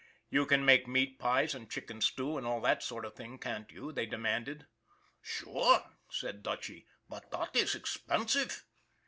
" You can make meat pies and chicken stew and all that sort of thing, can't you ?" they demanded. " Sure !" said Dutchy. " But dot iss expensive."